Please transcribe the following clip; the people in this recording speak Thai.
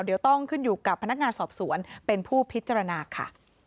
เดี๋ยวต้องขึ้นอยู่กับพนักงานสอบสวนเป็นผู้พิจารณาค่ะ